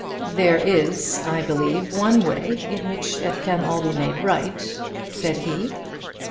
"There is, I believe, one way in which it can all be made right," said he.